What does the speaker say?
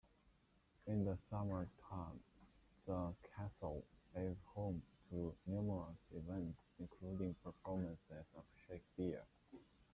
In the summertime, the castle is home to numerous events including performances of Shakespeare.